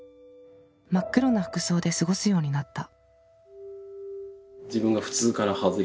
真っ黒な服装で過ごすようになった。